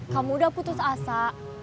kamu udah putus asa